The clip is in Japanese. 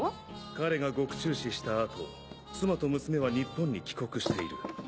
彼が獄中死した後妻と娘は日本に帰国している。